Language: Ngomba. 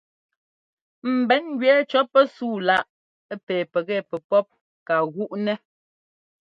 Ḿbɛn ŋgẅɛɛ cɔ̌ pɛsúu láꞌ pɛ pɛgɛ pɛpɔ́p ka gúꞌnɛ́.